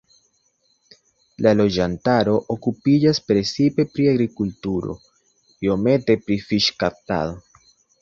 La loĝantaro okupiĝas precipe pri agrikulturo, iomete pri fiŝkaptado.